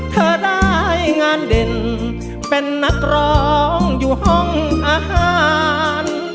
เธอได้งานเด่นเป็นนักร้องอยู่ห้องอาหาร